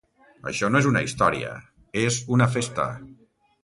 Això no és una història, és una festa.